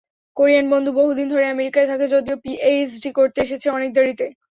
Korean বন্ধু বহুদিন ধরে আমেরিকায় থাকে যদিও পিএইচডি করতে এসেছে অনেক দেরিতে।